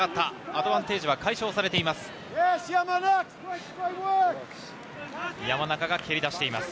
アドバンテージは解消されています。